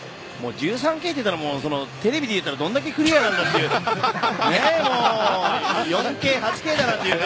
１３Ｋといったらテレビでいったらどんだけクリアなんだっていう。